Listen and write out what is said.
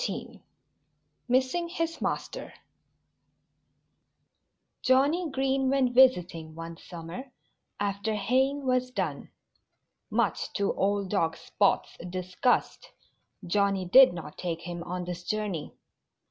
XIV MISSING HIS MASTER Johnnie Green went visiting one summer, after haying was done. Much to old dog Spot's disgust, Johnnie did not take him on this journey.